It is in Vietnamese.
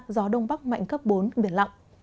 gió đông bắc mạnh cấp bốn biển lọng